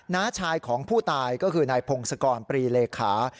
้าชายของผู้ตายก็คือนายพงศกรปรีเลขา